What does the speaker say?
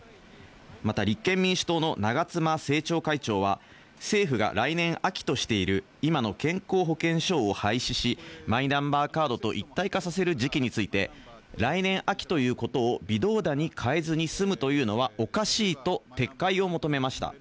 また立憲民主党の長妻政調会長は、政府が来年秋としている今の健康保険証を廃止し、マイナンバーカードと一体化させる時期について、来年秋ということを微動だに変えずに済むというのはおかしいと撤回を求めました。